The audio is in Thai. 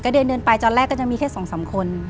เดินไปจอดแรกมีแค่สองสามคน